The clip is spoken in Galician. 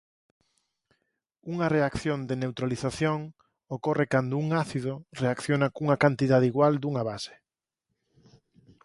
Unha reacción de neutralización ocorre cando un ácido reacciona cunha cantidade igual dunha base.